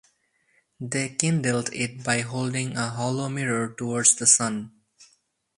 They kindled it by holding a hollow mirror towards the sun.